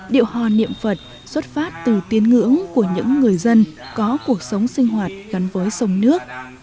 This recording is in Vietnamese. điệu hò niệm phật xuất phát từ tiếng ngưỡng của những người dân có cuộc sống sinh hoạt gắn với sông nước